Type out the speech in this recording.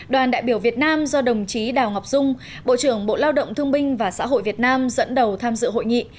đoàn đại biểu việt nam do đồng chí đào ngọc dung bộ trưởng bộ lao động thương binh và xã hội việt nam dẫn đầu tham dự hội nghị